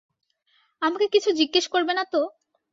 আমাকে কিছু জিজ্ঞেস করবে না তো?